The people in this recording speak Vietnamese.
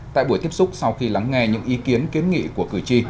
tại buổi tiếp xúc sau khi lắng nghe những ý kiến kiến nghị của cử tri